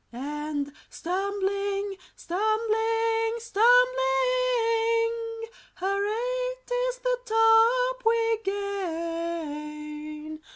And stumbling, tumbling, stumbling, Hurrah! 'tis the top we gain!